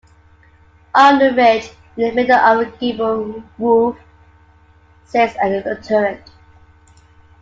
On the ridge, in the middle of the gable roof, sits a turret.